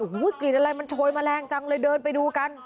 โอ้โหกลิ่นอะไรมันโชยแมลงจังเลยเดินไปดูกัน